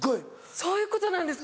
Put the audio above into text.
そういうことなんですか？